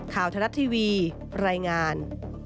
ข่าวทะลัดทีวีรายงาน